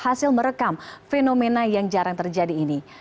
hasil merekam fenomena yang jarang terjadi ini